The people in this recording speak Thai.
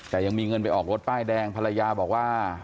แต่ยังมีเงินไปออกรถป้ายแดงภรรยาบอกว่า